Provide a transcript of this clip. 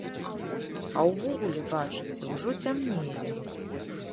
А ўвогуле, бачыце, ужо цямнее.